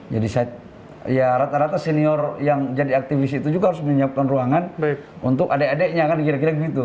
jadi saya ya rata rata senior yang jadi aktivis itu juga harus menyiapkan ruangan untuk adek adeknya kan kira kira gitu